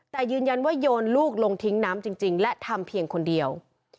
แต่ยืนยันว่าโยนลูกลงทิ้งน้ำจริงและทำเพียงคนเดียว